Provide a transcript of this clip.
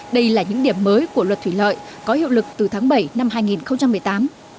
đây là những điểm mới của luật thủy lợi có hiệu lực từ tháng bảy năm hai nghìn một mươi tám